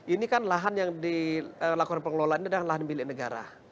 ini kan lahan yang dilakukan pengelolaan ini adalah lahan milik negara